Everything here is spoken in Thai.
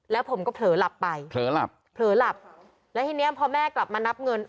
แล้วผมก็เผลอหลับไปเผลอหลับเผลอหลับแล้วทีเนี้ยพอแม่กลับมานับเงิน